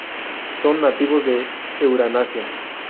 Son nativos de Eurasia.